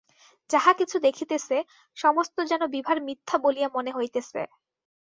যাহা কিছু দেখিতেছে সমস্ত যেন বিভার মিথ্যা বলিয়া মনে হইতেছে।